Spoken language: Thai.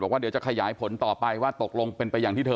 ว่าเดี๋ยวจะขยายผลต่อไปว่าตกลงเป็นไปอย่างที่เธอ